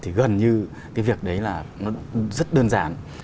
thì gần như cái việc đấy là nó rất đơn giản